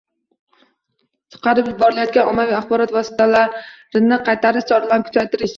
Chiqarib yuborilgan ommaviy axborot vositalariniqaytarish choralarini kuchaytirish;